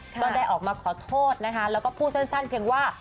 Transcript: ก็ได้ออกมาขอโทษนะคะแล้วก็พูดสั้นเพียงว่า